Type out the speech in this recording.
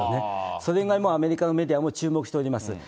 それぐらい、アメリカのメディアも注目しております。